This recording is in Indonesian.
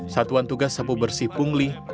satuan tugas sabu bersih pungli